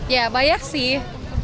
ya banyak sih